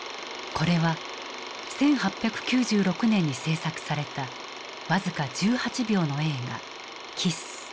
これは１８９６年に製作された僅か１８秒の映画「キス」。